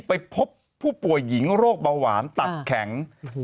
ไปพบผู้ป่วยหญิงโรคเบาหวานตัดแข็ง